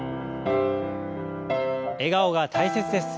笑顔が大切です。